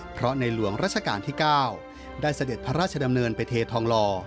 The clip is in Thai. เพราะในหลวงราชการที่๙ได้เสด็จพระราชดำเนินไปเททองหล่อ